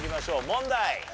問題！